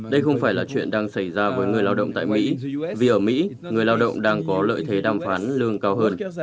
đây không phải là chuyện đang xảy ra với người lao động tại mỹ vì ở mỹ người lao động đang có lợi thế đàm phán lương cao hơn